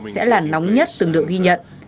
sẽ là nóng nhất từng được ghi nhận